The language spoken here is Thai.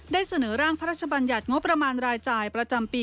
เสนอร่างพระราชบัญญัติงบประมาณรายจ่ายประจำปี